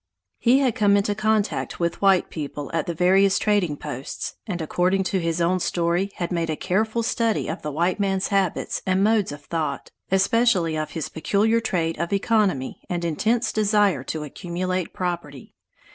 He had come into contact with white people at the various trading posts, and according to his own story had made a careful study of the white man's habits and modes of thought, especially of his peculiar trait of economy and intense desire to accumulate property.